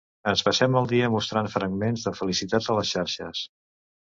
Ens passem el dia mostrant fragments de felicitat a les xarxes.